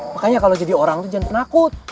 makanya kalo jadi orang tuh jangan penakut